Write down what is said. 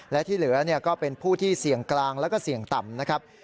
และที่เหลือก็เป็นผู้ที่เสี่ยงกลางแล้วก็เสี่ยงต่ำนะครับ